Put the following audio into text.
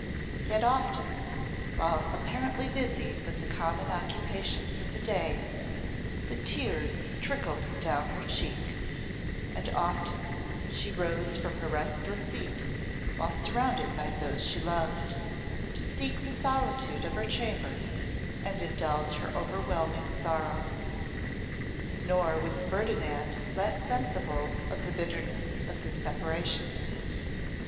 Yet often, while apparently busied with the common occupations of the day, the tears trickled down her cheek; and often she rose from her restless seat, while surrounded by those she loved, to seek the solitude of her chamber and indulge her overwhelming sorrow. Nor was Ferdinand less sensible of the bitterness of this separation.